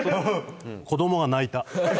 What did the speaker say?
子供が泣いた。